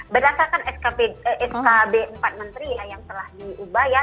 berdasarkan skb empat menteri yang telah diubah ya